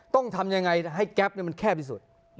ต้องทำยังไงให้แก๊ปมันแคบที่สุด